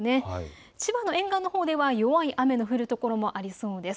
千葉の沿岸のほうでは弱い雨の降る所もありそうです。